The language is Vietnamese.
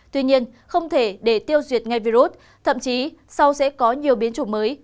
tuy nhiên không thể để tiêu diệt ngay virus thậm chí sau sẽ có nhiều biến chủng mới